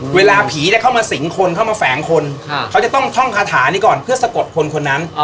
เวลาผีเข้ามาสิงคนเข้ามาแฝงคนเขาจะต้องท่องคาถานี้ก่อนเพื่อสะกดคนคนนั้น